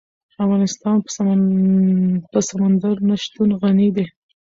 افغانستان په سمندر نه شتون غني دی.